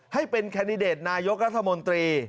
ให้เป็นแคนดิเดตนายกรัฐมนตรี